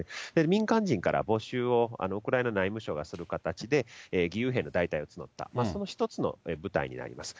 民間人から募集を、ウクライナ内務省がする形で、義勇兵の大隊を募った、その一つの部隊になります。